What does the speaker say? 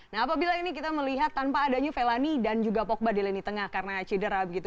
nah apabila ini kita melihat tanpa adanya velani dan juga pogba di lini tengah karena cedera begitu